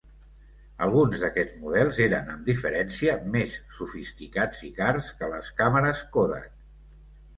Alguns d'aquests models eren, amb diferència, més sofisticats i cars que les càmeres Kodak.